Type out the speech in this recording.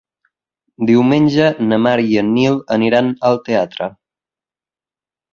Diumenge na Mar i en Nil aniran al teatre.